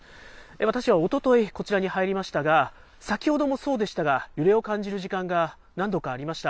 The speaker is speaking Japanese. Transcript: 私は、おとといこちらに入りましたが、先ほどもそうでしたが、揺れを感じる時間が何度かありました。